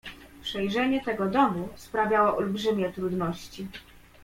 "Przejrzenie tego domu sprawiało olbrzymie trudności."